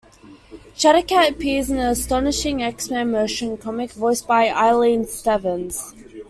Shadowcat appears in the "Astonishing X-Men" motion comic, voiced by Eileen Stevens.